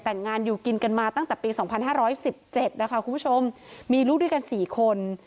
แต่งงานอยู่กินกันมาตั้งแต่ปีสองพันห้าร้อยสิบเจ็ดนะคะคุณผู้ชมมีลูกด้วยกันสี่คน